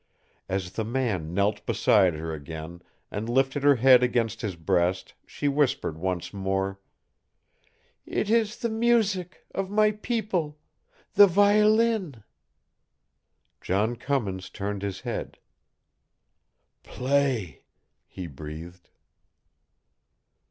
As the man knelt beside her again, and lifted her head against his breast, she whispered once more: "It is the music of my people the violin!" John Cummins turned his head. "Play!" he breathed.